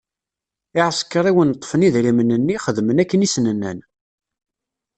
Iɛsekṛiwen ṭṭfen idrimen-nni, xedmen akken i sen-nnan.